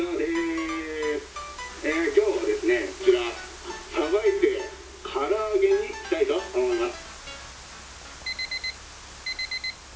今日はですねこちらさばいてから揚げにしたいと思います」。